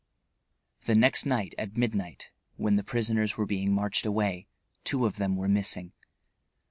The next night at midnight, when the prisoners were being marched away, two of them were missing.